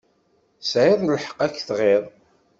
Tesεiḍ lḥeqq ad k-tɣiḍ.